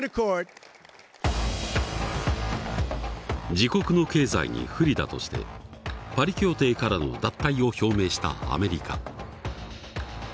自国の経済に不利だとしてパリ協定からの脱退を表明したアメリカ。